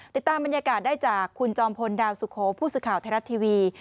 ติดตามบรรยากาศได้จากคุณจอมพลดาวสุโขผู้สื่อข่าวไทยรัฐทีวี